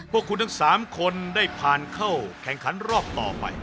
พวกคุณทั้ง๓คนได้ผ่านเข้าแข่งขันรอบต่อไป